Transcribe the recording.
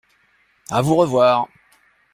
A vous revoir!